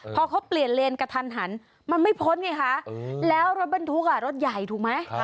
พอเขาเปลี่ยนเลนกระทันหันมันไม่พ้นไงคะแล้วรถบรรทุกรถใหญ่ถูกไหม